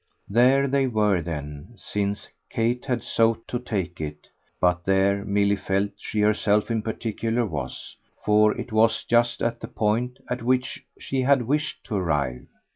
There they were then, since Kate had so to take it; but there, Milly felt, she herself in particular was; for it was just the point at which she had wished to arrive.